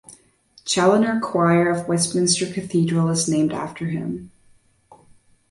Challoner Choir of Westminster Cathedral is named after him.